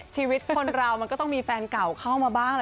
ชีวิตคนเรามันก็ต้องมีแฟนเก่าเข้ามาบ้าง